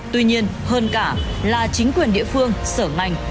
tuy nhiên hơn cả là chính quyền địa phương sở ngành